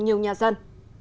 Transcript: nhiều nhà dân